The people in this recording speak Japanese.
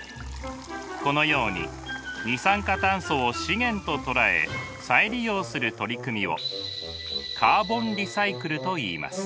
このように二酸化炭素を資源と捉え再利用する取り組みをカーボンリサイクルといいます。